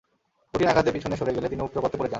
কঠিন আঘাতে পিছনে সরে গেলে তিনি উক্ত গর্তে পড়ে যান।